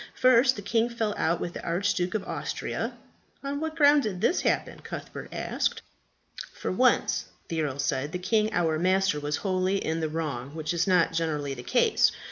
First, the king fell out with the Archduke of Austria." "On what ground did this happen?" Cuthbert asked. "For once," the earl said, "the king our master was wholly in the wrong, which is not generally the case.